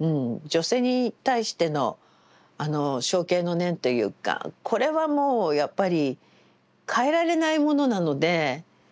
女性に対してのあの憧憬の念というかこれはもうやっぱり変えられないものなので。